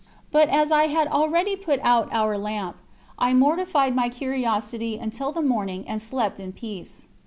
But as I had already put out our lamp, I mortified my curiosity until the morning and slept in peace.